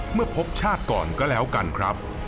เมื่อพบชาติก่อนก็แล้วกันครับ